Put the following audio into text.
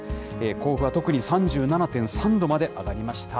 甲府は特に、３７．３度まで上がりました。